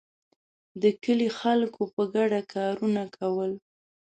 د کلي خلکو په ګډه کارونه کول.